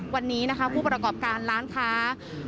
วันนี้นะคะผู้ประกอบการร้านค้า